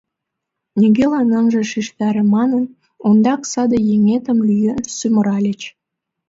Нигӧлан ынже шижтаре манын, ондак саде еҥетым лӱен сӱмыральыч.